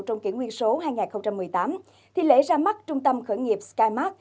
trong kỷ nguyên số hai nghìn một mươi tám thì lễ ra mắt trung tâm khởi nghiệp skymark